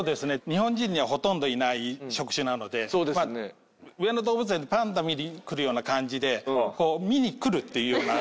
日本人にはほとんどいない職種なので上野動物園のパンダ見に来るような感じで見に来るっていうような。